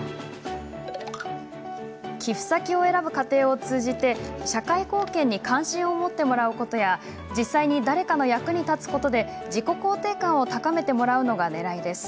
寄付先を選ぶ過程を通じて社会貢献に関心を持ってもらうことや実際に誰かの役に立つことで自己肯定感を高めてもらうのが、ねらいです。